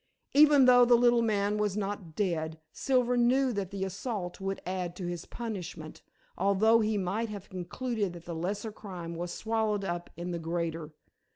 Even though the little man was not dead, Silver knew that the assault would add to his punishment, although he might have concluded that the lesser crime was swallowed up in the greater.